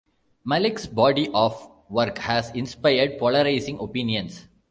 Malick's body of work has inspired polarizing opinions.